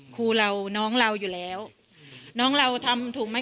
กินโทษส่องแล้วอย่างนี้ก็ได้